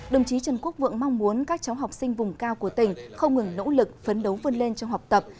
đồng chí trần quốc vượng mong muốn các cháu học sinh vùng cao của tỉnh không ngừng nỗ lực phấn đấu vươn lên trong học tập